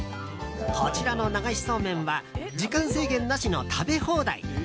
こちらの流しそうめんは時間制限なしの食べ放題。